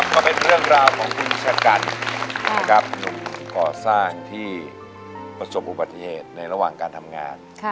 ก็เป็นเรื่องราวของคุณชะกันนะครับหนุ่มก่อสร้างที่ประสบอุบัติเหตุในระหว่างการทำงาน